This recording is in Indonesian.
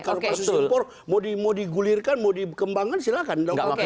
kalau kasus impor mau digulirkan mau dikembangkan silahkan